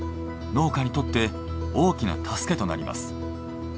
農家にとって大きな助けとなります。